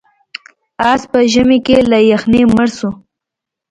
اس په ژمي کې له یخنۍ مړ شو.